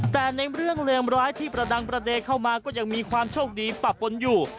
แต่ในเรื่องเลวร้ายที่ประดังประเด็นเข้ามาก็ยังมีความโชคดีปะปนอยู่